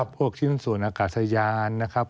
ชิ้นส่วนอากาศยานนะครับ